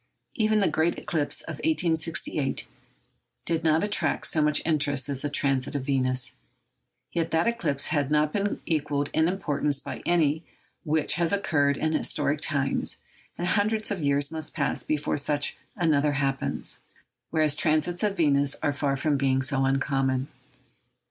Even the great eclipse of 1868 did not attract so much interest as the transit of Venus; yet that eclipse had not been equalled in importance by any which has occurred in historic times, and hundreds of years must pass before such another happens, whereas transits of Venus are far from being so uncommon.